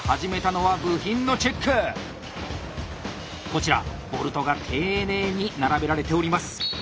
こちらボルトが丁寧に並べられております。